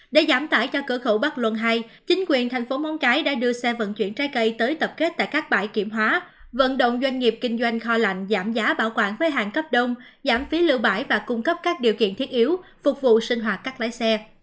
để giảm tải cho cửa khẩu bắc luân hai chính quyền thành phố móng cái đã đưa xe vận chuyển trái cây tới tập kết tại các bãi kiểm hóa vận động doanh nghiệp kinh doanh kho lạnh giảm giá bảo quản với hàng cấp đông giảm phí lưu bãi và cung cấp các điều kiện thiết yếu phục vụ sinh hoạt các lái xe